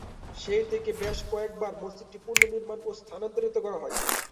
সেই থেকে বেশ কয়েকবার মসজিদটি পুনঃনির্মাণ ও স্থানান্তরিত করা হয়েছে।